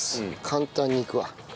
簡単にいくわ。